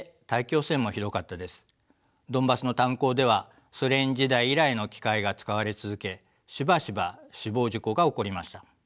ドンバスの炭鉱ではソ連時代以来の機械が使われ続けしばしば死亡事故が起こりました。